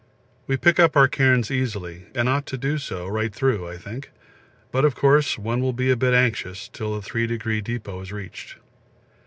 We pick up our cairns easily, and ought to do so right through, I think; but, of course, one will be a bit anxious till the Three Degree Depot is reached.